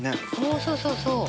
おそうそうそう！